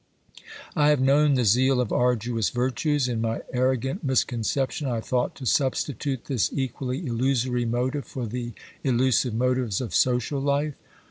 I have known the zeal of arduous virtues ; in my arro gant misconception I thought to substitute this equally illusory motive for the illusive motives of social life.